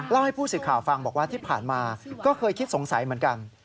ให้ผู้สื่อข่าวฟังบอกว่าที่ผ่านมาก็เคยคิดสงสัยเหมือนกัน